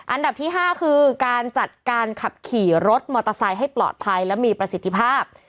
อันดับที่๕คือการจัดการขับขี่รถมอเตอร์ไซค์ให้ปลอดภัยและมีประสิทธิภาพ